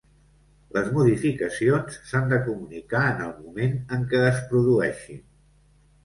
Les modificacions s'han de comunicar en el moment en què es produeixin.